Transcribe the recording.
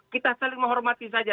kita saling menghormati saja